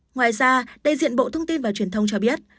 ngoài ra đại diện bộ thông tin và truyền thông cho biết